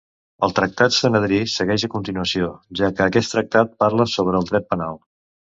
El tractat Sanedrí segueix a continuació, ja que aquest tractat parla sobre el dret penal.